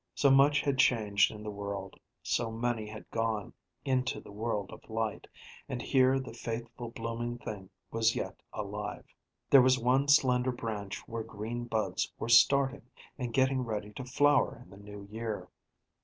So much had changed in the world, so many had gone into the world of light, and here the faithful blooming thing was yet alive! There was one slender branch where green buds were starting, and getting ready to flower in the new year.